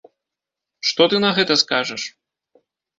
Што ты на гэта скажаш?